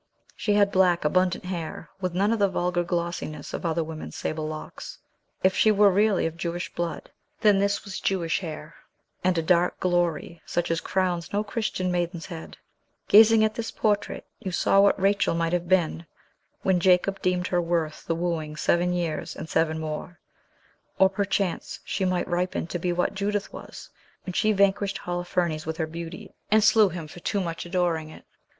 She had black, abundant hair, with none of the vulgar glossiness of other women's sable locks; if she were really of Jewish blood, then this was Jewish hair, and a dark glory such as crowns no Christian maiden's head. Gazing at this portrait, you saw what Rachel might have been, when Jacob deemed her worth the wooing seven years, and seven more; or perchance she might ripen to be what Judith was, when she vanquished Holofernes with her beauty, and slew him for too much adoring it.